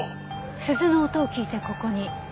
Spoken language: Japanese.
鈴の音を聞いてここに。